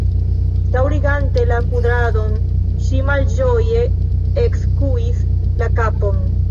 Daŭrigante la kudradon, ŝi malĝoje ekskuis la kapon.